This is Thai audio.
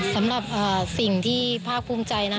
สำหรับสิ่งที่ภาคภูมิใจนะ